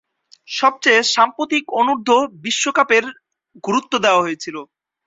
সবচেয়ে সাম্প্রতিক অনূর্ধ্ব বিশ্বকাপের গুরুত্ব দেওয়া হয়েছিল।